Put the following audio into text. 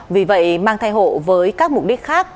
vì vậy mang thai hộ với các mục đích khác